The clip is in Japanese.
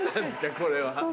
これは。